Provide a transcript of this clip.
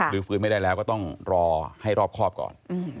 ฟื้นไม่ได้แล้วก็ต้องรอให้รอบครอบก่อน